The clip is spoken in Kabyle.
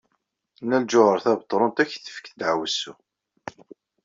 Nna Lǧuheṛ Tabetṛunt ad ak-tefk ddeɛwessu.